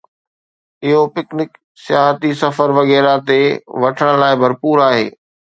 . اهو پکنڪ، سياحتي سفر، وغيره تي وٺڻ لاء ڀرپور آهي.